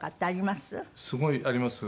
すごいあります。